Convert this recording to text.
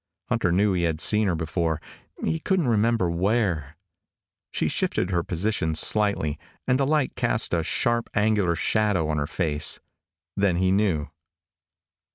Hunter knew he had seen her before. He couldn't remember where. She shifted her position slightly and the light cast a sharp, angular shadow on her face. Then he knew.